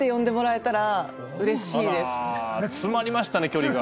詰まりましたね距離が。